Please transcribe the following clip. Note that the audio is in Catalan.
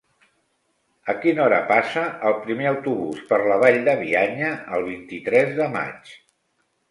A quina hora passa el primer autobús per la Vall de Bianya el vint-i-tres de maig?